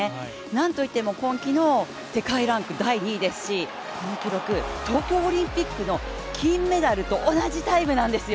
なんといっても、今季の世界ランク第２位ですしこの記録、東京オリンピックの金メダルと同じタイムなんですよ。